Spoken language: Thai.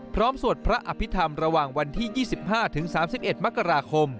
สวดพระอภิษฐรรมระหว่างวันที่๒๕๓๑มกราคม